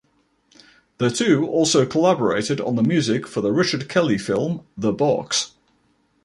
The two also collaborated on the music for the Richard Kelly film "The Box".